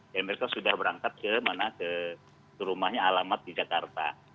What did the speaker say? dan mereka sudah berangkat ke rumahnya alamat di jakarta